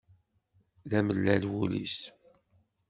d amellal wul-is.